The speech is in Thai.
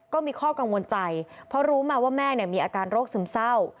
ก็มีข้อกังวลใจเพราะรู้มาว่าแม่มีอาการโรคซึมเศร้า